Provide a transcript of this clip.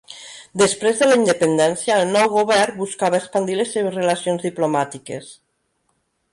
Després de la independència, el nou govern buscava expandir les seves relacions diplomàtiques.